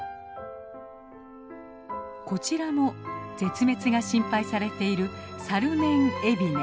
こちらも絶滅が心配されているサルメンエビネ。